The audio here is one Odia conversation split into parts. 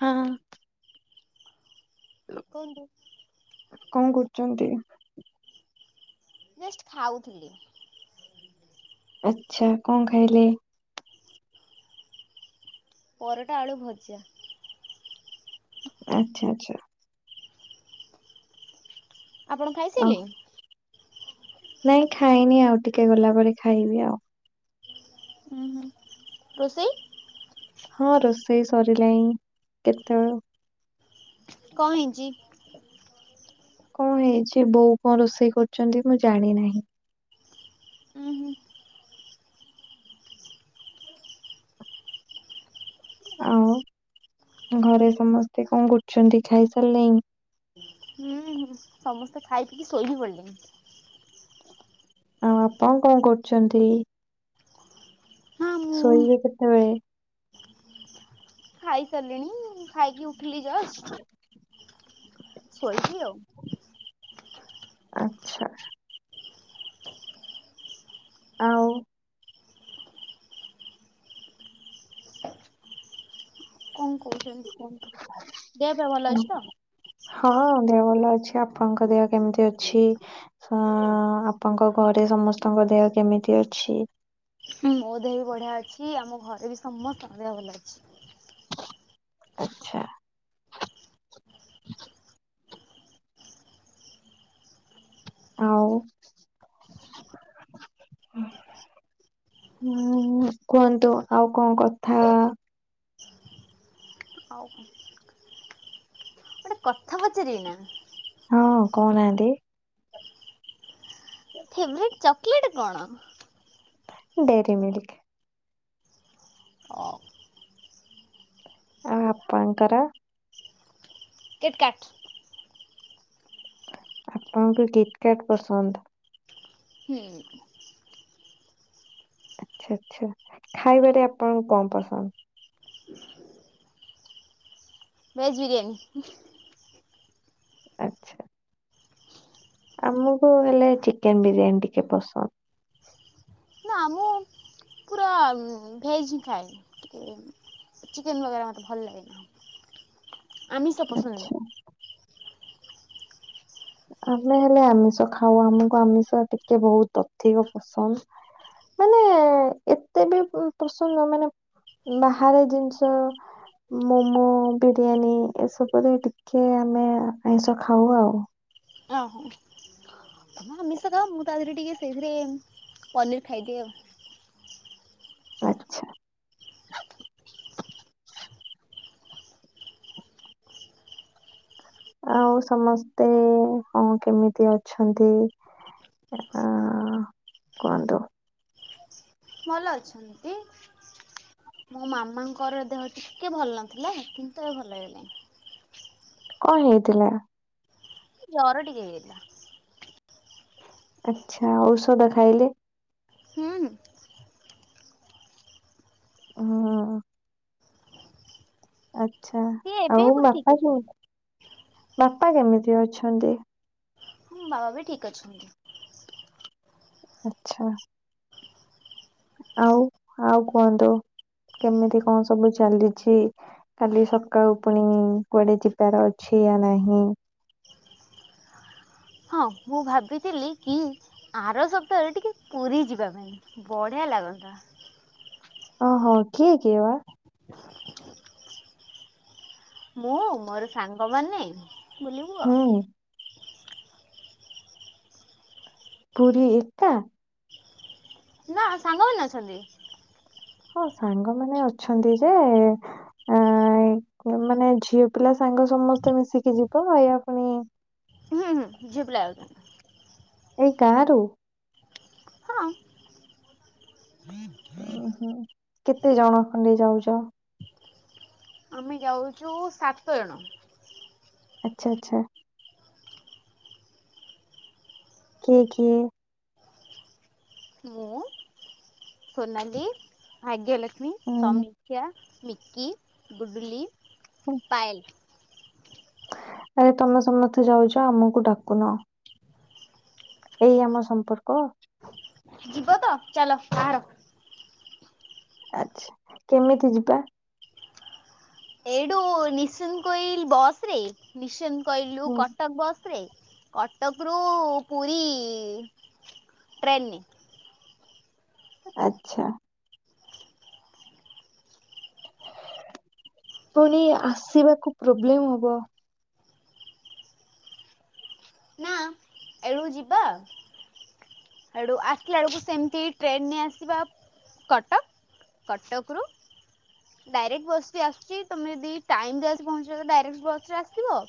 ହଁ। କହନ୍ତୁ। କଣ କରୁଚନ୍ତି? ଜଷ୍ଟ ଖାଉଥିଲି। ଆଛା କଣ ଖାଇଲେ? ପରଟା ଆଳୁ ଭଜା। ଆଚ୍ଛା ଆଚ୍ଛା। ଆପଣ ଖାଇ ଓ ସାଇଲେଣୀ? ନାଇଁ ଖାଇନି ଆଉ ଟିକେ ଗଲା ପରେ ଖାଇବି ଆଉ। ହୁଁ ହୁଁ। ରୋଷେଇ? ହଁ ରୋଷେଇ ସରିଲାଣି କେତେବେଳୁ। କଣ ହେଇଛି? କଣ ହେଇଛି ବୋଉ କଣ ରୋଷେଇ କରୁଚନ୍ତି ମୁଁ ଜାଣି ନାହିଁ। ଉୁଁ ହୁଁ। ଆଉ ଘରେ ସମସ୍ତେ କଣ କରୁଛନ୍ତି ଖାଇସାରିଲେଣି? ହୁଁ ହୁଁ। ସମସ୍ତେ ଖାଇ ପିଇକି ଶୋଇ ବିି ପଡ଼ିଲେଣି। ଆଉ ଆପଣ କଣ କରୁଛନ୍ତି? ହଁ ମୁଁ ଶୋଇବେ କେତେବେଳେ? ଖାଇସାରିଲିଣି ଖାଇକି ଉଠିଲି ଜଷ୍ଟ। ଶୋଇବି ଆଉ। ଆଚ୍ଛା। ଆଉ କଣ କହୁଛନ୍ତି କୁହନ୍ତୁ। ଦେହପା ଭଲ ଅଛି ତ? ହଁ ଦେହ ଭଲ ଅଛି। ଆପଣଙ୍କ ଦେହ କେମିତି ଅଛି? ଅ ଆପଣଙ୍କ ଘରେ ସମସ୍ତଙ୍କ ଦେହ କେମିତି ଅଛି? ମୋ ଦେହ ବି ବଢ଼ିଆ ଅଛି। ଆମ ଘରେ ବି ସମସ୍ତଙ୍କ ଦେହ ଭଲ ଅଛି। ଆଚ୍ଛା। ଆଉ ହୁଁ କୁହନ୍ତୁ ଆଉ କଣ କଥା। ଆଉ ଗୋଟେ କଥା ପଚାରିବି ନା ହଁ କହୁ ନାହାନ୍ତି। ଫେଭରାଇଟି ଚକ୍ଲେଟ୍ କଣ? Dairy Milk. ଅ ଆଉ ଆପଣଙ୍କର? କିଟ୍ କାଟ। ଆପଣଙ୍କୁ କିଟ୍ କାର୍ଟ ପସନ୍ଦ? ହୁଁ। ଆଛା ଆଚ୍ଛା ଖାଇବାରେ ଆପଣଙ୍କୁ କଣ ପସନ୍ଦ? ଭେଜ୍ ବିରିୟାନୀ। ଆଚ୍ଛା। ଆମକୁ ହେଲେ ଚିକେନ ବିରିୟାନୀ ଟିକେ ପସନ୍ଦ। ନା ମୁଁ ପୁରା ଭେଜ୍ ହିଁ ଖାଏ ଟି ଚିକେନ ବଗେରା ମୋତେ ଭଲ ଲାଗେନା। ଆମିଷ ପସନ୍ଦ ନୁହେଁ। ଆଚ୍ଛା ଆମେ ହେଲେ ଆମିଷ ଖାଉ ଆମକୁ ଆମିଷ ଟିକେ ବହୁତ ଅଧିକ ପସନ୍ଦ। ମାନେ ଏତେ ବି ପସନ୍ଦ ମାନେ ବାହାରେ ଜିନିଷ ମୋମୋ, ବିରିୟାନୀ ଏସବୁରେ ଟିକେ ଆମେ ଆଇଁଷ ଖାଉ ଆଉ। ଓହୋ। ତ ଆମିଷ ଖା ମୁଁ ତା ଦେହରେ ଟିକେ ସେଇଥିରେ ପନିର ଖାଇଦିଏ ଆଉ। ଆଚ୍ଛା। ଆଉ ସମସ୍ତେ ହଁ କେମିତି ଅଛନ୍ତି? ଅ କୁହନ୍ତୁ। ଭଲ ଅଛନ୍ତି। ମୋ ମାମାଙ୍କ ର ଦେହ ଟିକେ ଭଲ ନଥିଲା କିନ୍ତୁ ଏ ଭଲ ହେଇଲାଣି। କଁ ହେଇଥିଲା? ଏଇ ଜର ଟିକେ ହେଇଯାଇଥିଲା। ଆଚ୍ଛା ଔଷଧ ଖାଇଲେ। ହୁଁ ହୁଁ। ହଁ। ଆଛା ସିଏ ଏବେ ଆଉ ପୁରା ଠିକ୍ ବାପା କେ ଅଛନ୍ତି। ବାପା କେମିତି ଅଛନ୍ତି? ହୁଁ ବାବା ବି ଠିକ୍ ଅଛନ୍ତି। ଆଚ୍ଛା। ଆଉ ଆଉ କୁହନ୍ତୁ କେମିତି କଣ ସବୁ ଚାଲିଛି। କାଲି ସକାଳୁ ପୁଣି କୁଆଡେ ଯିବାର ଅଛି ୟା ନାହିଁ। ହଁ ମୁଁ ଭାବିଥିଲି କି ଆର ସପ୍ତାହରେ ଟିକେ ପୁରୀ ଯିବା ପାଇଁ। ବଢ଼ିଆ ଲାଗନ୍ତା। ଓହୋ କିଏ କିଏ ବା। ମୁଁ ମୋର ସାଙ୍ଗମାନେ ବୁଲିବୁ ହୁଁ ଆଉ। ପୁରୀ ଏକା। ନା ସାଙ୍ଗମାନେ ଅଛନ୍ତି। ହଁ ସାଙ୍ଗମାନୋନ ଅଛନ୍ତି ଯେ। ଆଁ ମାନେ ଝିଅ ପିଲା ସାଙ୍ଗ ସମସ୍ତେ ମିଶିକି ଯିବ ୟା ପୁଣି। ହୁଁ ହୁଁ ଝିଅ ପିଲା ଏକା। ଏଇ ଗାଁ ରୁ। ହଁ। ଉଁ ହୁଁ କେତେ ଜଣ ଖଣ୍ଡେ ଯାଉଛ। ଆମେ ଯାଉଛୁ ସାତଜଣ। ଆଚ୍ଛା ଆଚ୍ଛା। କିଏ କିଏ। ମୁଁ ସୋନାଲି ଭାଗ୍ୟଲକ୍ଷ୍ମୀ ଉଁ, ସମୀକ୍ଷା। ମିକି ଡୁଡୁଲି ହୁଁ ପାଏଲ। ହେଇ ତମେ ସମତେ ଯାଉଛ ଆମକୁ ଡାକୁନ। ଏଇ ଆମ ସମ୍ପର୍କ। ଯିବ ତ ଚାଲ ବାହାର। ଆଛା କେମିତି ଯିବା? ଏଇଠୁ ନିଶ୍ଚିନ୍ତ କୋଇଲି ବସ ରେ ନିଶ୍ଚନ୍ତ କୋଇଲୁ ରୁ ହୁଁ କଟକ ବସ୍ ରେ କଟକରୁ ପୁରୀ ଟ୍ରେନରେ। ଆଛା। ପୁଣି ଆସିବାକୁ ପ୍ରୋବ୍ଲେମ ହବ। ନା ଏଠୁ ଯିବା। ସେଡ଼ୁ ଆସିଲା ବେଳକୁ ସେମିତି ଟ୍ରେନ୍ର ରେ ଆସିବା କଟକ। କଟକରୁ। ଡାଇରେକ୍ଟ ବସ ବି ଆସୁଛି ତମେ ଯଦି ଟାଇମ ରେ ଆସି ପହଞ୍ଚିବ ତ ଡାଇରେକ୍ଟ ବସ ରେ ଆସିବ।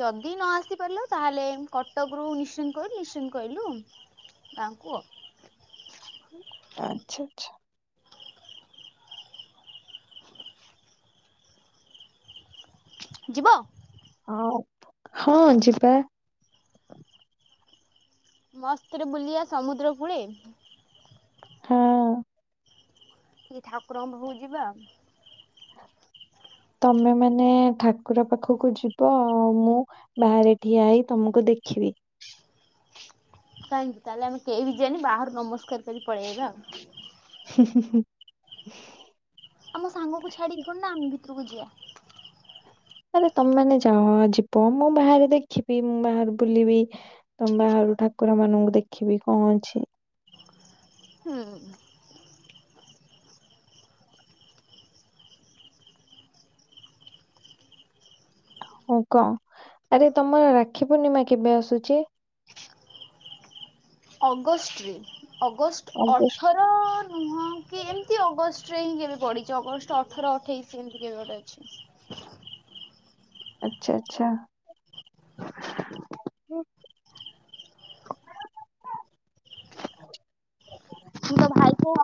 ଯଦି ନ ଆସି ପାରିଲ ତାହେଲେ କଟକ ରୁ ନିଶ୍ଚିନ୍ତ କୋଇଲି ନିଶ୍ଚିନ୍ତ କୋଇଲ ରୁ। ଗାଁ କୁ ଆଉ। ଆଚ୍ଛା ଆଚ୍ଛା। ଯିବ। ହଁ ହଁ ଯିବା। ମସ୍ତରେ ବୁଲିବା ସମୁଦ୍ର କୂଳେ। ହଁ। ଟିକେ ଠାକୁରଙ୍କ ପାଖ କୁ ଯିବା। ତମେ ମାନେ ଠାକୁର ପାଖକୁ ଯିବ ଆଉ ମୁଁ ବାହାରେ ଠିଆ ହେଇ ତମକୁ ଦେଖିବି। କାହିଁକି ତାହେଲେ ଆମେ କେହି ବି ଯିବାନି ବାହାରୁ ନମସ୍କାର କରି ପଳେଇବା ଆଉ। ହୁଁ ହୁଁ ହୁଁ। ଆମ ସାଙ୍ଗକୁ ଛାଡ଼ି ଥୋଡି ନା ଆମେ ଭିତରକୁ ଯିବା। ନରେ ତମାନେ ଯାଅ ଯିବ ମୁଁ ବାହାରେ ଦେଖିବି ମୁଁ ବାହାରେ ବୁଲିବି। ତ ବାହାରୁ ଠାକୁର ମାନଙ୍କୁ ଦେଖିବି କଣ ଅଛି। ହୁଁ। ହଉ କଣ ଆରେ ତମର ରାକ୍ଷୀ ପୂର୍ଣ୍ଣିମା କେବେ ଆସୁଛି? ଅଗଷ୍ଟରେ ଅଗଷ୍ଟ ଅଠର [unintelligible] ନୁହଁ କି ଏମିତି ଅଗଷ୍ଟରେ ହିଁ କେବେ ପଡ଼ିଛି ଅଗଷ୍ଟ ଅଠର ଅଠେଇଶ ଏମିତି କେବେ ଗୋଟେ ଅଛି। ଆଚ୍ଛା ଆଚ୍ଛା। ମୁଁ ତ ଭାଇକୁ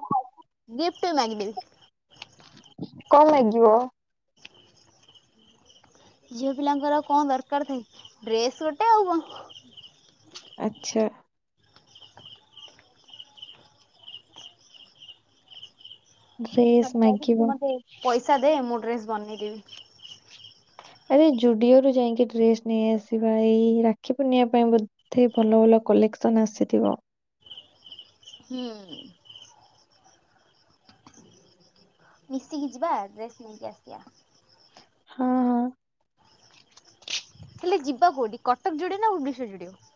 ଗିଫ୍ଟ ବି ମାଗି ଦେବି। କଣ ମାଗିବ? ଝିଅ ପିଲାଙ୍କର କଣ ଦରକାର ଥାଏ ଡ୍ରେସ ଗୋଟେ ଆଉ କଣ। ଆଛା ଡ୍ରେସ୍ ମତେ କହିବି କି ତୁ ମାଗିବ ମତେ ପଇସା ଦେ ମୁଁ ଡ୍ରେସ ବନେଇଦବି। ଆରେ ଜୁଡିଓରୁୁ ଯାଇକି ଡ୍ରେସ ନେଇଆସିବା। ଏଇ ରାକ୍ଷୀ ପୁର୍ଣିମା ପାଇଁ ବୋ ଧେ ଭଲ ଭଲ କଲେକ୍ସନ ଆସିଥିବ। ହୁଁ ମିଶିକି ଯିବା ଡ୍ରେସ ନେଇକି ଆସିବା। ହଁ ହଁ ହେଲେ ଯିବା କେଉଠି କଟକ ଜୁଡିଓ ନା ଭୁବନେଶ୍ୱର ଜୁଡିଓ?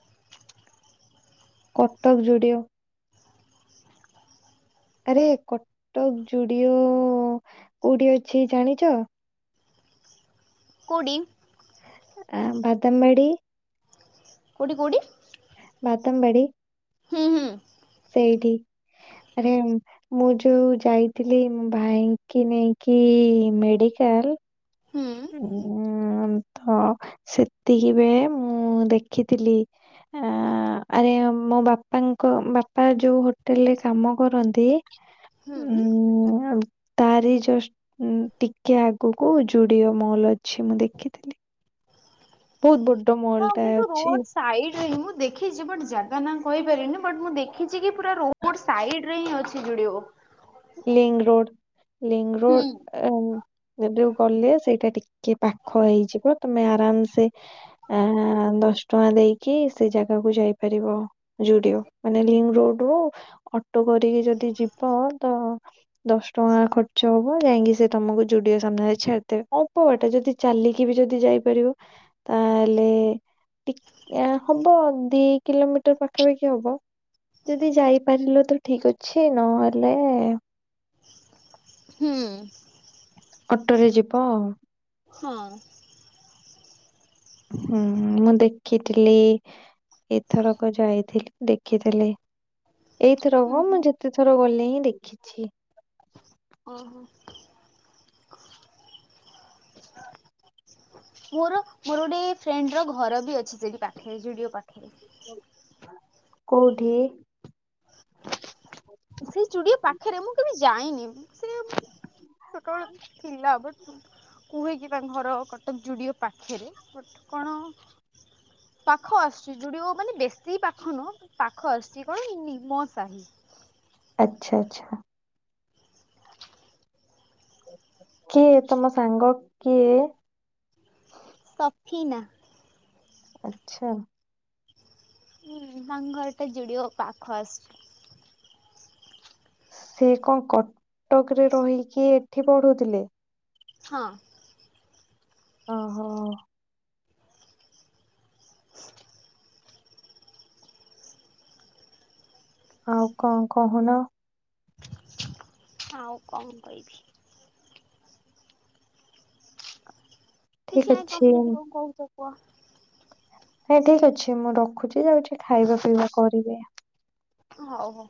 କଟକ ଯୁଡ଼ିଓ। ଆରେ କଟକ ଯୁଡିଓ କୋଉଠି ଅଛି ଜାଣିଛ? କୋଉଠି? ଆ ବାଦାମବାଡ଼ି କୋଉଠି କୋଉଠି? ବାଦାମବାଡ଼ି। ହୁଁ ହୁଁ ଏଇଠି ଆରେ ମୁଁ ଯୋଉ ଯାଇଥିଲି ମୋ ଭାଇ କି ନେଇକି ମେଡିକାଲ ଉ ତ ସେତିକିିବେଳେ ମୁଁ ଦେଖିଥିଲି। ଆ ଆରେ ମୋ ବାପାଙ୍କ ବାପା ଯୋଉ ହୋଟେଲ ରେ କାମ କରନ୍ତି। ହୁଁ ହୁଁ ଉଁ ଆଉ ତାରି ଜଷ୍ଟ ଟିକେ ଆଗକୁ ଯୁ ଡିଓ ମଲ୍ ଅଛି ମୁଁ ଦେଖିଥିଲି। ବହୁତ ବଡ଼ ମଲ। ହଁ ରୋଡ ସାଇଡଁ ମୁଁ ଦେଖିଛି ବଟ ଜାଗା ନା କହିପାରିନି ବଟ ମୁଁ ଦେଖିଛି କି ପୁରା ରୋ ଡ଼ ସାଇଡ ରେ ହିଁ ଅଛି ଜୁଡିଓ। ଲିଙ୍କ ରୋଡ଼ ଲିଙ୍କ ହୁଁ ରୋଡ଼ ଯୋଉ ଗଲେ ସେଇଟା ଟିକେ ପାଖ ହେଇଯିବ ତମେ ଆରାମ ସେ ଆ ଦଶ ଟଙ୍କା ଦେଇକି ସେ ଜାଗାକୁ ଯାଇପାରିବ। ଯୁଡିଓ ମାନେ ଲିଙ୍କ ରୋଡ ରୁ ଅଟୋ କରିକି ଯଦି ଯିବ ତ ଦଶ ଟଙ୍କା ଖର୍ଚ୍ଚ ହବ। ଯାଇକି ସେ ତମକୁ ଯୁଡିଓ ସାମ୍ନାରେ ଛାଡିଦେବେ ଅଳ୍ପ ବାଟ ଯଦି ଚାଲିକି ବି ଯଦି ଯାଇପାରିବ। ତାହେଲେ ଟିକ ହବ ଦି କିଲୋମିଟର ପାଖାପାଖି ହବ। ଯଦି ଯାଇପାରିଲ ତ ଠିକ ଅଛି ନହେଲେ ହୁଁ ଅଟୋରେ ଯିବ ଆଉ ହଁ ହୁଁ ମୁଁ ଦେଖିଥିଲି ଏଥରକ ଯାଇଥିଲି ଦେଖିଥିଲି। ଏଇଥର ହବ ମୁଁ ଯେତେଥର ଗଲି ହିଁ ଦେଖିଛି। ଓହୋ। ମୋର ମୋର ଗୋଟେ ଫ୍ରେଣ୍ଡ୍ ର ଘରବି ଅଛି ସେଠି ପାଖରେ ଜୁଡ଼ିଓ ପାଖରେ। କୋଉଠି? [inaudible] ସେ ଚୁଡ଼ିଓ ପାଖରେ ମୁଁ କେବେ ଯାଇନି ସେ ସକାଳୁ ଥିଲା ବଟ୍ କୁହେକିି ତାଙ୍କ ଘର କଟକ ଯୁଡ଼ିଓ ପାଖେରେ ବଟ୍ କଣ ପାଖ ଆସୁଛି ଜୁଡ଼ିଓ ମାନେ ବେଶୀ ପାଖ ନୁହ ପାଖ ଆସୁଛି କଣକି ନିମ ସାହି। ଆଚ୍ଛା ଆଚ୍ଛା। କିଏ ତମ ସାଙ୍ଗ କିଏ? ସଫିନା। ଆଛା। ଉଁ ତାଙ୍କ ଘରଟା ଜୁଡ଼ିଓ ପାଖଆସୁଚି। ସେ କଣ କଟକରେ ରହିକି ଏଠି ପଢୁଥିଲେ? ହଁ। ଓହୋ ଆଉ କଣ କହୁନ? ଆଉ କଣ କହିବି? ଠିକ କିଛି ନାହିଁ ତମେ ଅଛି। ଯଦି କଣ କହୁଚ କୁହ। ହେ ଠିକ୍ ଅଛି ମୁଁ ରଖୁଚି ଯାଉଚି ଖାଇବା ପିଇବା କରିବି। ହଉ ହଉ।